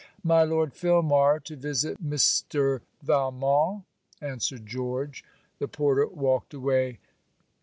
'My Lord Filmar to visit Mr. Valmont,' answered George. The porter walked away.